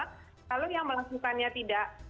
kalau yang melakukannya tidak